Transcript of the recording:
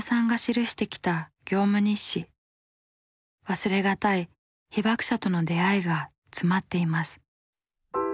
忘れがたい被爆者との出会いが詰まっています。